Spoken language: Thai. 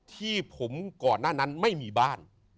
ที่ผมก่อนหน้านั้นไม่มีบ้าน